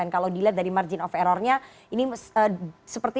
kalau dilihat dari margin of errornya ini sepertinya dua dari cross sector